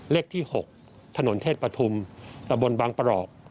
เลขที่๖ถนนเทศปฐุมตะบนบางปรอก